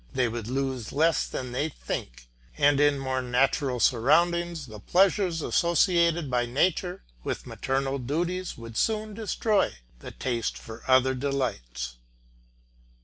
They would lose less than they think, and in more natural surroundings the pleasures associated by nature with maternal duties would soon destroy the taste for other delights.